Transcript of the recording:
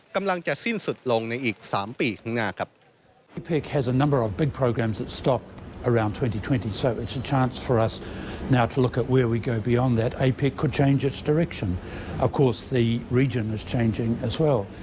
กำลังจะสิ้นสุดลงในอีก๓ปีข้างหน้าครับ